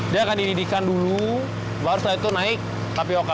dia akan dididihkan dulu baru setelah itu naik tapioca